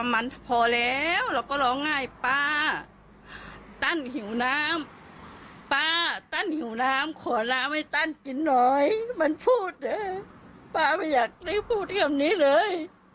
มันพูดป้าไม่อยากได้พูดอย่างนี้เลย